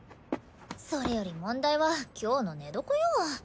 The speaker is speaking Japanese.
それより問題は今日の寝床よ。